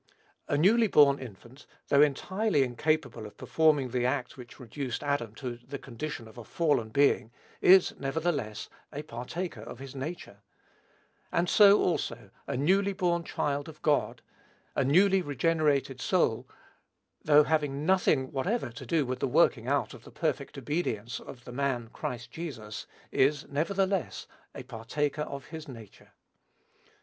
A newly born infant, though entirely incapable of performing the act which reduced Adam to the condition of a fallen being, is, nevertheless, a partaker of his nature; and so, also, a newly born child of God, a newly regenerated soul, though having nothing whatever to do with the working out of the perfect obedience of "the man Christ Jesus," is, nevertheless, a partaker of his nature.